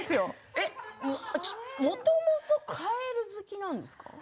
もともとカエル好きなんですか？